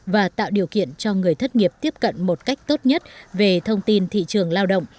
và tạo điều kiện cho người thất nghiệp tiếp cận một cách tốt nhất về thông tin thị trường lao động